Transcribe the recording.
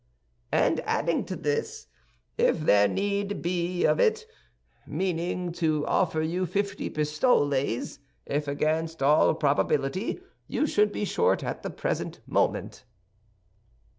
"And adding to this, if there be need of it, meaning to offer you fifty pistoles, if, against all probability, you should be short at the present moment."